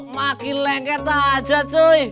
makin lengket aja cuy